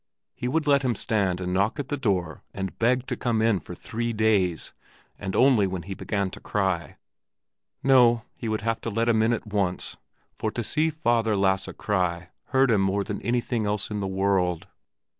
He would let him stand and knock at the door and beg to come in for three days, and only when he began to cry—no, he would have to let him in at once, for to see Father Lasse cry hurt him more than anything else in the world.